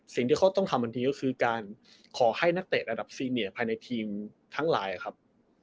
สิ่งที่เขาต้องทำทันทีก็คือการขอให้นักเตะระดับซีเนียภายในทีมทั้งหลายครับ